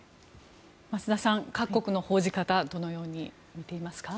増田さん、各国の報じ方どのように見ていますか。